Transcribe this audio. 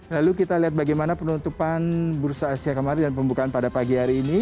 lalu kita lihat bagaimana penutupan bursa asia kemarin dan pembukaan pada pagi hari ini